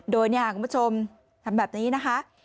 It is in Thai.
โดยคุณผู้ชมทำแบบนี้นะคะ